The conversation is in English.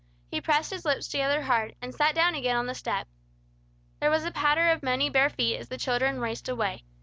He pressed his lips together hard, and sat down again on the step. There was a patter of many bare feet as the children raced away.